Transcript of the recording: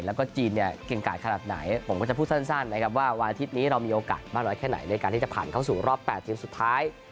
แล้วก็จีนเนี่ยเก่งกาดขนาดไหนผมก็จะพูดสั้นนะครับว่าวันอาทิตย์นี้เรามีโอกาสมากน้อยแค่ไหนในการที่จะผ่านเข้าสู่รอบ๘ทีมสุดท้าย